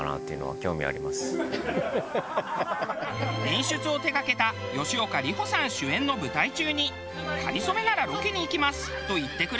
演出を手がけた吉岡里帆さん主演の舞台中に「『かりそめ』ならロケに行きます」と言ってくれたう大先生。